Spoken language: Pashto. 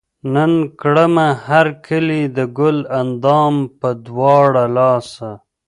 نن کړمه هر کلے د ګل اندام پۀ دواړه لاسه